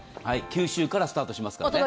九州からスタートしますからね。